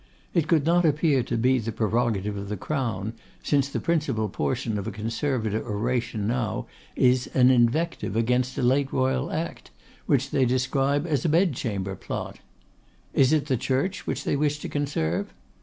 It would not appear to be the prerogative of the Crown, since the principal portion of a Conservative oration now is an invective against a late royal act which they describe as a Bed chamber plot. Is it the Church which they wish to conserve?